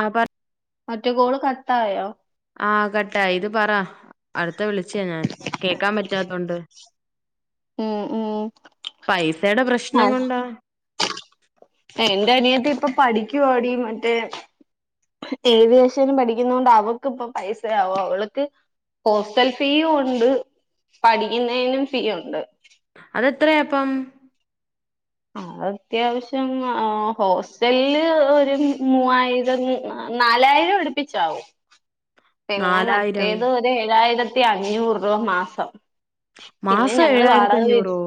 ആപ്പ മറ്റേ ഗോള് കത്തായോ ആഹ കേട്ടാ ഇത് പറ അടുത്ത വിളിച്ചാ ഞാൻ കേക്കാൻ പറ്റാത്തോണ്ട് ഉം ഉം പൈസയുടെ പ്രശ്നം അതെ കൊണ്ടാ എന്റെ അനിയത്തി ഇപ്പൊ പഠിക്കുവാടി മറ്റേ ഏവിയേഷൻ പഠിക്കുന്ന കൊണ്ട് അവൾക്ക് ഇപ്പൊ പൈസയാവുംും അവൾക്ക് ഹോസ്റ്റൽ ഫീയും ഉണ്ട് പഠിക്കുന്നതിനും ഫീ ഉണ്ട് അതെത്രയാ അപ്പം അ അത്യാവശ്യം ഹോസ്റ്റലില് ഒരു മൂവായിരം നാലായിരം എടുപ്പിച്ചാവും പിന്നെ നാലായിരം മറ്റേത് ഒ ഏഴായിര ആയിരത്തി അഞ്ഞൂറ് രൂപ മാസം പിന്നെ മാസം ഞങ്ങള്ൾ ഏഴായിരത്തി വാടക വ അഞ്ഞൂറോ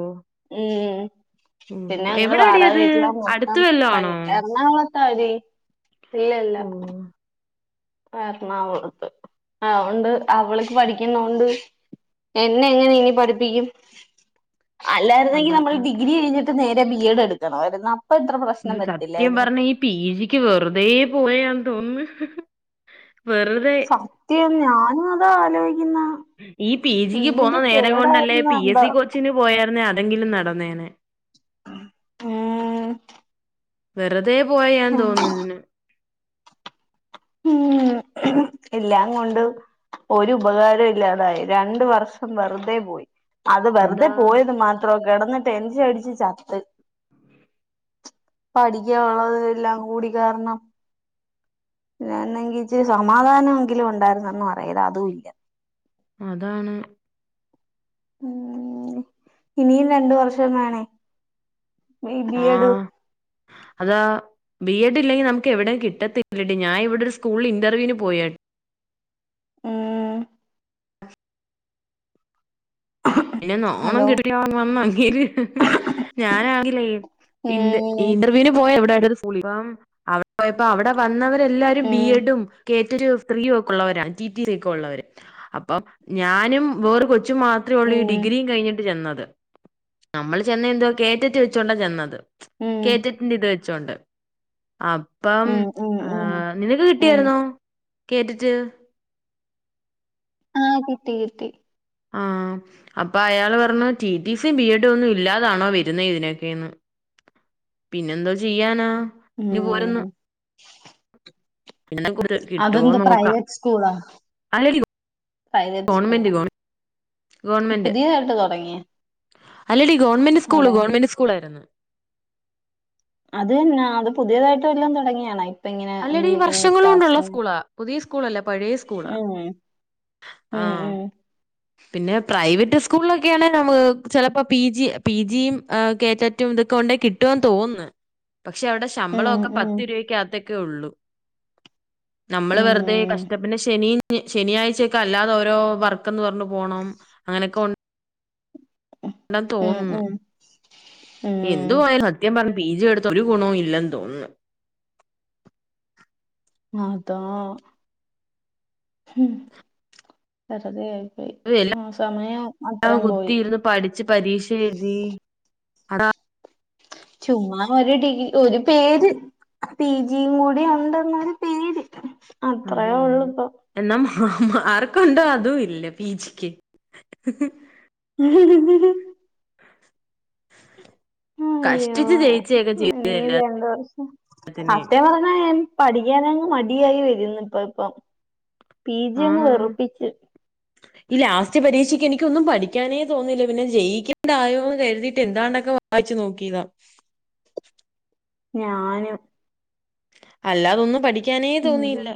ഉ പിന്നെ ഓഹോ ഞങ്ങള്ൾ വാടാ എവിടാടിയത് വീട്ടില അടുത്ത് മൊത്തം വല്ലോ പണി ആണോ എറണാകുള തതി ഇല്ല ഇല്ല ഓ എറണാകുളത്ത് അതൊണ്ട് അവൾക്ക് പഠിക്കുന്നൊണ്ട് എന്നെ എങ്ങനെ ഇനി പഠിപ്പിക്കും അല്ലായിരുന്നെങ്കി അതാ നമ്മള് ഡിഗ്രി കയ്ഞ്ഞ് ട്ട് നേരെ ബി എഡ് എടുക്കണവായ്ര്ന്ന ഇത് സത്യം പറഞ്ഞാ ഈ പീ ജിക്ക് വെറ്തേ പോയാന്ന് തോന്ന് ന്ന് സത്യം ഞാനു ആലോയ് ഈ പി ജിക്ക് പോന്ന നേരം കൊണ്ടല്ലേ കേടായിരുന്നു പി എസ് എന്തോ സി കോച്ചിന് പോയാര്ന്നേ അ തെങ്കിലും നടന്നേനേ. ഉം ഏഹ് വെറ് തേ പോയാന്ന് തോന്നുന്നു ഇതിന് ഉം എല്ലാം കൊണ്ടും ഒരു ബകാരുല്ലാതായി രണ്ട് വർഷം വെറുതെ പോയി അത് വെറ്തെ അതാ പോയത് മാത്രം കെടന്നിട്ട് എഞ്ചിയടിച്ച് ചത്ത് പഠിക്കാവ്ള്ളത് എല്ലാം കൂടി കേറണം ന്നെങ്കിച്ച് സമാധാനങ്കിലും ഉണ്ടായിരുന്നന്ന് പറയാം ഇത് അതുല്ല അതാണ് ഉം ഇനിയും രണ്ട് വർഷം വേണെ ആ അതാ ബി. എഡ് ഇല്ലെങ്കി നമുക്കെവ്ടേം കിട്ടത്തില്ലെടി ഞാ ഇവ്ടൊരു സ്കൂളിൽ ഇന്റർവ്യൂന് പോയ ആ പിന്നെ നാണം ഹലോ കെട്ട്ട്ട് ഞാൻ വന്ന് [unintelligible] ഞാനാണെങ്കിലെ ഇന്റ ഉം ഇന്റർവ്യൂന് പോയ [unintelligible] [unintelligible] അവ്ടെ പോയപൊ അവ്ടെ വന്നവ തെല്ലാരും ബി. ഉം എഡും, കെ റ്റൊരു സ്ത്രീ ഒക്കെ ഉള്ളവരാ. ട്ടീട്ടീരെ ക്കെ ഉള്ളവര്. അപ്പൊ ഞാനും വേറെ കൊച്ചും മാ രൊള്ളീ ഉം ഡിഗ്രീ കഴിഞ്ഞ്ട്ട് ചെന്ന എ നമ്മള് ചെന്നെന്തൊ കേറ്ററ്റൊയ്ച്ചോണ്ടാ ചെന്നത് ഉം കേറ്ററ്റിന്റത് വെ ചൊണ്ട് അപം ഉം ഉം ഉം ഏഹ് നിനക്ക് ഉം കിട്ടിയാര്ന്നോ കേട്ടിറ്റ് ആഹ് കിട്ടി കിട്ടി ആഹ് അപ്പൊ അയാള് പർഞ്ഞു ട്ടീട്ടീസി, ബിഎഡും ഒന്നുല്ലാതാണോ വരുന്നെ ഇതിനൊക്കെന്ന്. പിന്നെന്തോ ചെയ്യാനാ. ഇനി ഉം പോരന്ന് പിന്നെ കിട്ടുവോ അതെന്ത് നോക്കാം പ്രൈവറ്റ് സ്കൂളാ. അല്ലടി പ്രൈവറ്റ് സ്കൂള ഗവൺമെന്റ് ഗവൺ ഗവൺമെന്റ് പുതിയതെട്ത് തുടങ്ങിയ അല്ലടി ഗോൺമെന്റ്സ്കൂള് അവിടെ ഗോൺമെന്റ് സ്കൂളായിരുന്നു അത് ന്നാ അത് പുതിയതായിട്ട് വല്ലോം തുടങ്ങിയാണോ? ഇ അല്ലടി വർഷങ്ങളോണ്ടുള്ള സ്കൂളാ. പുതിയ സ്കൂളല്ല പഴേ സ്കൂളാ ഉം ഉം ആഹ് ഉം പിന്നെ പ്രൈവറ്റ് സ്കൂളിലൊക്കെയാണെ നമ്മക്. ചിലപ്പൊ..... പീജി, പീജിയും കേട്ടറ്റും ഇതൊക്കെ ഉണ്ടെ കിട്ടുവെന്ന് തോന്ന്ന്ന്. പക്ഷെ അവ്ടെ ശമ്പളൊക്കെ ഉം പത്ത് ഉം രൂപക്കകത്തെ വർകെ ഒളളു നമ്മള് ഉം വെറ്തേ കഷ്ടം ശനി ശനിയാഴ്ചക്കൊ അല്ലാതെ ഓരോ വർ ക്ന്ന് പറഞ്ഞു പോണം അങ്ങനെയൊകെ ഒ ണ്ടന്ന് ഉം തോന്ന്ന്ന്. ഉം ഉം എന്തുവായാലും സത്യം പറ പീജി എടുത്തൊരു ഗുണോ ഇല്ലെന്ന് തോന്ന്ന്ന് ക അതാ. ഹും.. വെറുതേ ആയി എല്ലാ പോയി കുത്തിയിരിന്ന് പഠിച്ച് പരീക്ഷ എഴുതി അടാ ചുമ്മാ ഒരു ഡിഗ് ഒരു പേര് പി ജിയും കൂടി ഉണ്ടെന്നൊരു പേര്. അത് അത്രയേ തന്നെ. ഒള്ളുപ്പൊ എന്നാ മാർക്കുണ്ടോ അതും ഇല്ല പി ജിക്ക് അയ്യോ കഷ്ടിച്ച് ജയിച്ചൊക്കെ ചെയ്തു ഇനീ രണ്ട് വർഷം എല്ലാത്തിനെയും. സത്യം പറഞ്ഞാ ഞാൻ പഠിക്കാനങ്ങ് മട് ആയി വരുന്നു ഇപ്പ ഇപ്പം പീജിയങ്ങ് ആണ്. വെറുപ്പിച്ച് ഈ ലാസ്റ്റ് പരീക്ഷക്ക് എനിക്കൊന്നും പഠിക്കാനേ തോന്നിയില്ല പിന്നെ ജയിക്കെണ്ടായോന്ന് കരുതിട്ട് എന്താണ്ടൊക്കെ വായിച്ചു നോക്കീതാ. ഞാനും അല്ലാതൊന്നും പഠി ക്കാനേ ഉം തോന്നിയില്ല.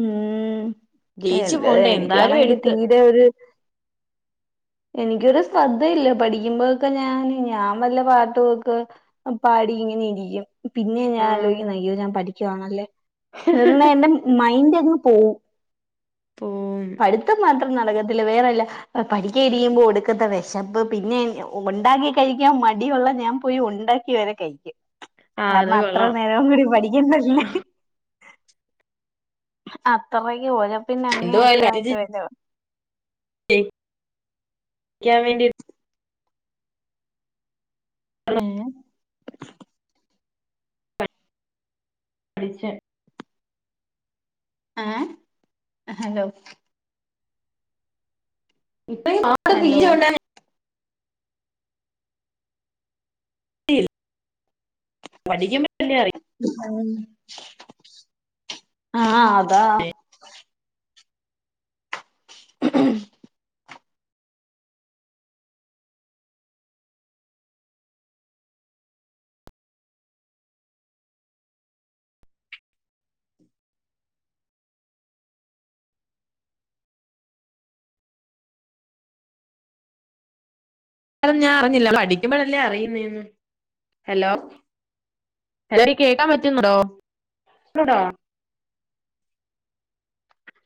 ഉം ജയിച്ചു എന്താ പോണ്ടേ എന്നാലും എനിക്കാണെങ്കി എടുത്ത് തീരെ ഒരു എനിക്കൊരു ശ്രദ്ധയില്ല പഠിക്കുമ്പോഴൊക്കെ ഞാന് ഞാൻ വല്ല പാട്ടുവൊക്ക് പാടി ഇങ്ങനെ ഇരിക്കും പിന്നെ ഞാൻ ആഹ് ആലോയ്ക്കുന്നേ അയ്യോ ഞാൻ പഠിക്കുവാണല്ലേ ഇവിടെയുള്ള എൻ്റെ മ മൈന്റ് അങ്ങ് പോവും. പോവും പഠിത്തം മാത്രം നടക്കത്തില്ല വേറെല്ല ആ പഠി ക്കാ ഇരിക്കുമ്പോ ഒടുക്കത്തെ വെശപ്പ് പിന്നെ ഉണ്ടാക്കി കഴിക്കാൻ മടിയുള്ള ഞാൻ പോയി ഉണ്ടാക്കി വരെ കയ്ക്കും. ആഹ് അത് കാരണം അത്ര കൊള്ളാം നേരം കൂടി പഠിക്കണ്ടല്ലേ അത്രക്ക് ഒഴ പ്പിന്നെ അങ്ങേ അറ്റോ ആയിട്ട് വര്വോ യെ ക്ക്യാൻ വേണ്ടി ഏഹ് പഠിച്ച ഏഹ്, ഹലോ ഇപ്പയും ആട് ഹലോ [unintelligible] ശൽ പടിക്കുമ്പല്ലേ അറി ഉം ആ അ അതാ ഉ [unintelligible] കണം ഞാൻ അറിഞ്ഞില്ല പഠിക്കുമ്പോഴല്ലേ അറിയുന്നേന്ന് ഹലോ ഹലോ കേക്കാൻ പറ്റുന്നു